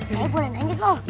saya boleh nangkep om